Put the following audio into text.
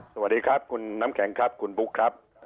สวัสดีครับคุณน้ำแข็งครับคุณบุ๊คครับ